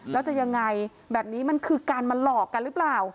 แล้วจะยังไงแบบนี้มันคือการมาหลอกกันหรือเปล่า